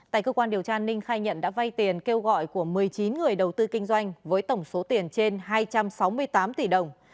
tại cơ quan điều tra ninh khai nhận đã vay tiền kêu gọi của một mươi chín người đầu tư kinh doanh với tổng số tiền trên hai trăm sáu mươi tám tỷ đồng